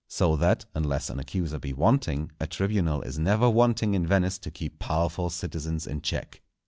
So that, unless an accuser be wanting, a tribunal is never wanting in Venice to keep powerful citizens in check.